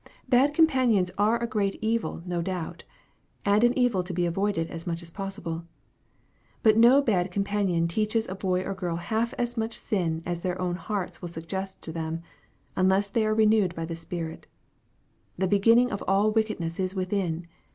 Bad com panions are a great evil no doubt, and an evil to be avoided as much as possible. But no bad companion teaches a boy or girl half as much sin as their own hearts will sug gest to them, unless they are renewed by the Spirit. The beginning of all wickedness is within.